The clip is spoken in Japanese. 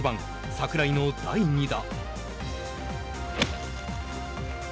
櫻井の第２打。